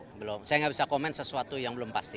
belum saya nggak bisa komen sesuatu yang belum pasti